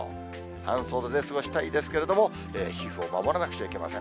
半袖で過ごしたいですけれども、皮膚を守らなくちゃいけません。